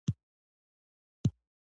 • دښمني د خوښۍ سړی غمجن کوي.